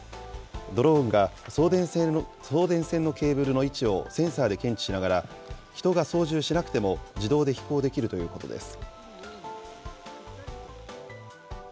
ドローンが送電線のケーブルの位置をセンサーで検知しながら、人が操縦しなくても自動で飛行できるということです。